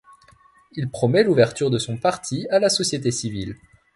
Il promet l'ouverture de son parti à la société civile.